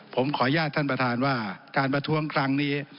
ผมขออนุญาตท่านประธานว่าการประท้วงครั้งนี้